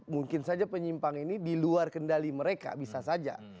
mungkin saja penyimpangan ini diluar kendali mereka bisa saja